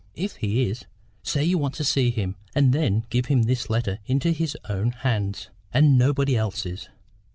If he is, say you want to see him, and then give him this letter, into his own hands, and nobody else's.